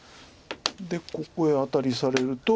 でここへアタリされると。